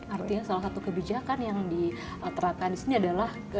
artinya salah satu kebijakan yang diterapkan di sini adalah